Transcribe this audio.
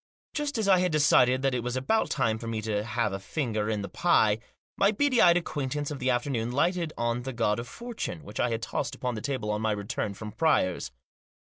Just as I had decided that it was about time for me to have a finger in the pie, my beady eyed acquaint ance of the afternoon lighted on the God of Fortune, which I had tossed upon the table on my return from Pryor's.